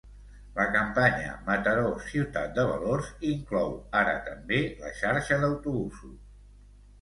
La campanya "Mataró, ciutat de valors" inclou ara també la xarxa d'autobusos.